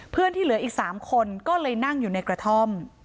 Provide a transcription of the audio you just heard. ที่เหลืออีก๓คนก็เลยนั่งอยู่ในกระท่อม